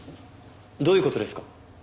どういう事ですか？